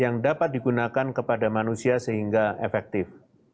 dan juga dapat digunakan kepada manusia sehingga efektif